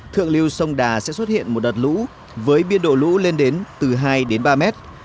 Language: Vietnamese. thượng lưu sông đà sẽ xuất hiện một đợt lũ với biên độ lũ lên đến từ hai đến ba mét